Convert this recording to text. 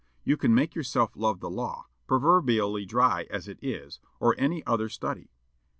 You can make yourself love the law, proverbially dry as it is, or any other study.